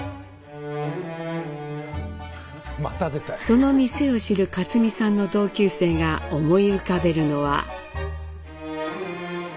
その店を知る克実さんの同級生が思い浮かべるのは。